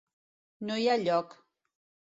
No hi ha lloc.